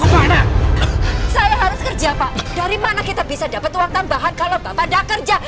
bapak dari mana kita bisa dapat uang tambahan kalau bapak tidak kerja